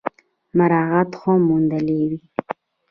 مراعات هم موندلي وي ۔